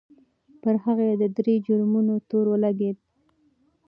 پر هغه د درې جرمونو تور ولګېد.